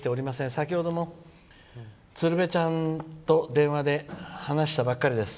先ほども鶴瓶ちゃんと電話で話したばっかりです。